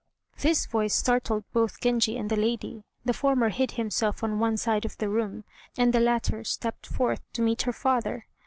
This voice startled both Genji and the lady. The former hid himself on one side of the room, and the latter stepped forth to meet her father.